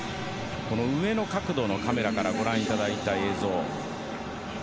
上の角度のカメラからご覧いただいた映像。